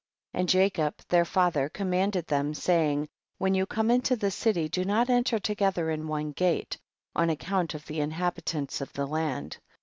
4. And Jacob their father com manded them, saying, when you come into the city do not enter together in one gate, on account of the inhabi tants of the land.